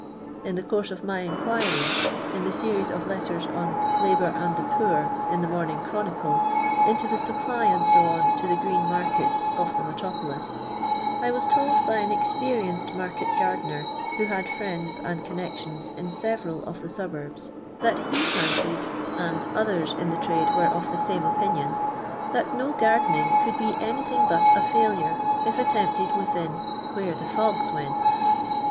In the course of my inquiries lin the series of letters on Labour and the Poor m the Min ninff Chrnnide) into the aupply, &c., to the •• green markets" of the metropolis, I was told by an experienced market gardener, who had friends and connections in several of the suburbs, that he fancied, and others in the trade were of the same opinion, that no gardening could be anything but a failure if attempted within " where the fogs went.'